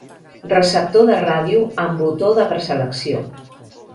Receptor de ràdio amb botó de preselecció.